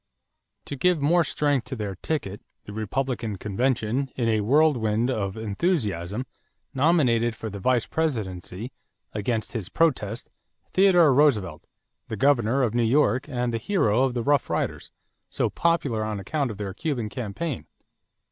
To give more strength to their ticket, the Republican convention, in a whirlwind of enthusiasm, nominated for the vice presidency, against his protest, Theodore Roosevelt, the governor of New York and the hero of the Rough Riders, so popular on account of their Cuban campaign.